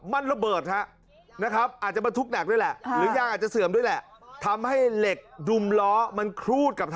มันระเบิดครับ